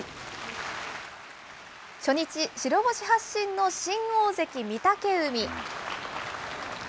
初日、白星発進の新大関・御嶽海。